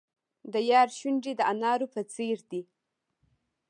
د یار شونډې د انارو په څیر دي.